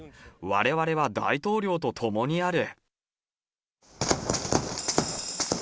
われわれは大統領と共にある。